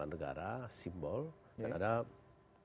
dan ada peran menteri pemimpin pemerintahan dan demokrasi